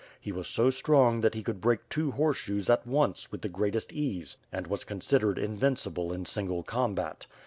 He was so strong that he could break two horseshoes at once, with the greatest ease; and was considered invincible in single combat.